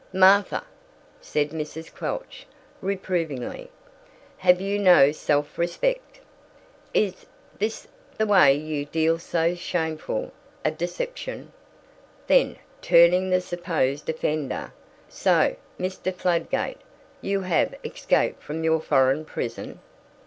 "Martha," said Mrs. Quelch, reprovingly, "have you no self respect? Is this the way you deal to so shameful a deception?" Then, turning the supposed offender, "So, Mr. Fladgate, you have escaped from your foreign prison."